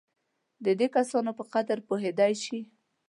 د دې کسانو په قدر پوهېدای شي.